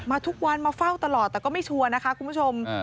ทุกวันมาเฝ้าตลอดแต่ก็ไม่ชัวร์นะคะคุณผู้ชม